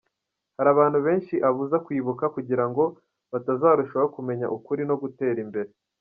Hari abantu benshi abuza kwibuka kugirango batazarushaho kumenya ukuri no gutera imbere.